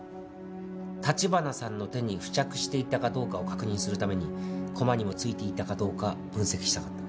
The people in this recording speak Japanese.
橘さんの手に付着していたかどうかを確認するために駒にも付いていたかどうか分析したかったんです。